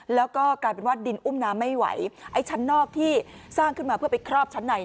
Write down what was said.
แล้วก็กลายเป็นว่าดินอุ้มน้ำไม่ไหวไอ้ชั้นนอกที่สร้างขึ้นมาเพื่อไปครอบชั้นใน